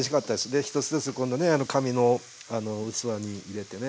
で一つ一つこんなね紙の器に入れてね。